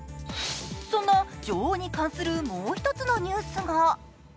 そんな女王に関するもう一つのニュースが。